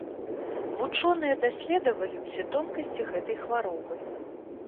Вучоныя даследавалі ўсе тонкасці гэтай хваробы.